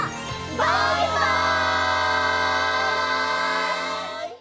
バイバイ！